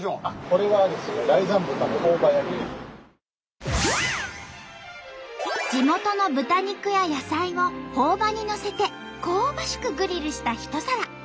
これはですね地元の豚肉や野菜をほお葉にのせて香ばしくグリルした一皿。